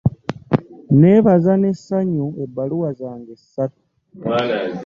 Nneebaza n'essanyu ebbaluwa zange ssatu.